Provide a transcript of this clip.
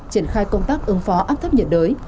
triển khai công tác ứng phó áp thấp nhiệt đới